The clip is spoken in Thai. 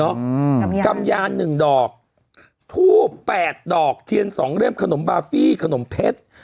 เนาะคำญาณ๑ดอกทูป๘ดอกเทียน๒เล่มขนมบาฟี่ขนมเพชร